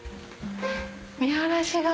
見晴らしが。